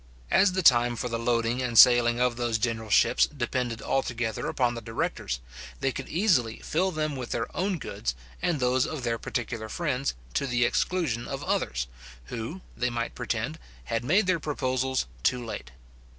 As the time for the loading and sailing of those general ships depended altogether upon the directors, they could easily fill them with their own goods, and those of their particular friends, to the exclusion of others, who, they might pretend, had made their proposals too late.